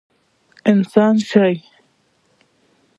انسان شه!